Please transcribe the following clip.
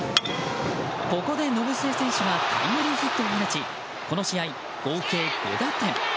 ここで延末選手がタイムリーヒットを放ちこの試合、合計５打点。